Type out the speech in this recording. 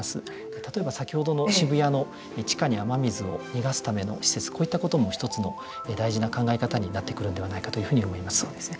例えば、先ほどの渋谷の地下に雨水を逃がすための施設こういったことも一つの大事な考え方になってくるんではないかそうですね。